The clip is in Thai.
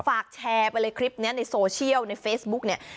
แชร์ไปเลยคลิปนี้ในโซเชียลในเฟซบุ๊กเนี่ย